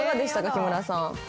木村さん。